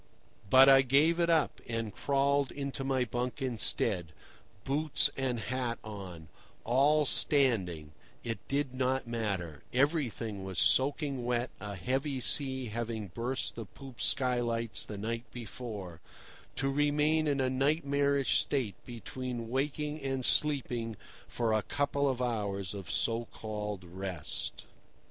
But I gave it up, and crawled into my bunk instead, boots and hat on, all standing (it did not matter; everything was soaking wet, a heavy sea having burst the poop skylights the night before), to remain in a nightmarish state between waking and sleeping for a couple of hours of so called rest.